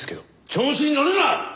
調子にのるな！